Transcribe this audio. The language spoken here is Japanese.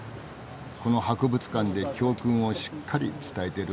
この博物館で教訓をしっかり伝えてる。